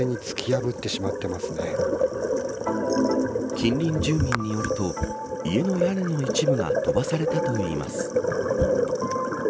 近隣住民によると家の屋根の一部が飛ばされたといいます。